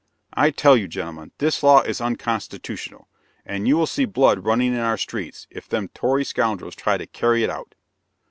I tell you, gentlemen, this law is unconstitutional, and you will see blood running in our streets, if them tory scoundrels try to carry it out!"